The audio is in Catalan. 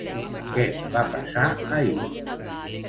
Què va passar ahir?